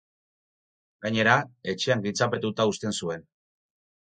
Gainera, etxean giltzapetuta uzten zuen.